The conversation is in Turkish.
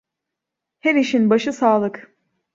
Her işin başı sağlık.